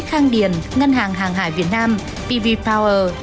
khang điền ngân hàng hàng hải việt nam pv power